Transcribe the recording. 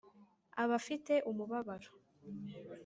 abafite umubabaro,